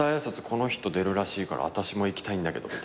この人出るらしいからあたしも行きたいんだけど」